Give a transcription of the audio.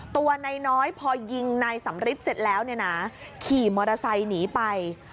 ตัวนายน้อยพอยิงนายสำริทเสร็จแล้วเนี่ยนะขี่มอเตอร์ไซค์หนีไป